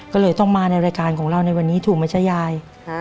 ก็เลยต้องมาในรายการของเราในวันนี้ถูกไหมจ๊ะยาย